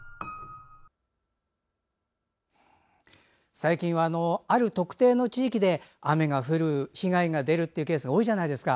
最近、ある特定の地域で雨が降る被害が出るというケースが多いじゃないですか。